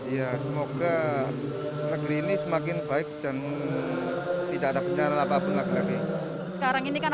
ya semoga negeri ini semakin baik dan tidak ada benar benar apa apa lagi sekarang ini kan